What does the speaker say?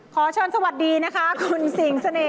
ขอเชิญสวัสดีนะคะคุณสิงเสน่ห